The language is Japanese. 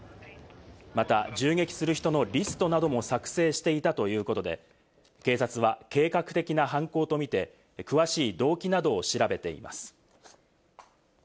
また銃撃する人のリストなども作成していたということで、警察は計画的な犯行とみて、詳しい動機などを調べています。